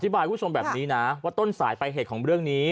บายคุณผู้ชมแบบนี้นะว่าต้นสายไปเหตุของเรื่องนี้